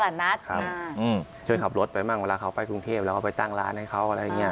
ขายคอยตลาดนะครับอืมช่วยขับรถไปบ้างเวลาเขาไปกรุงเทพฯแล้วไปตั้งร้านให้เขาอะไรแบบนี้